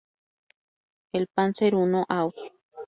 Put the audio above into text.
El Panzer I Ausf.